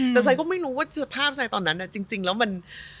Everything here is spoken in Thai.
แต่ไซดก็ไม่รู้ว่าสภาพซายตอนนั้นจริงแล้วมัน